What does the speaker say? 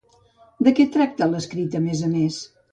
De què tracta l'escrit a més a més?